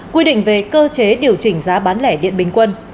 quy định về cơ chế điều chỉnh giá bán lẻ điện bình quân